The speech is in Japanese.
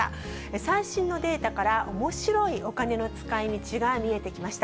最新のデータから、おもしろいお金の使いみちが見えてきました。